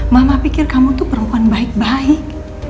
mama pikir kamu tuh peruan baik baik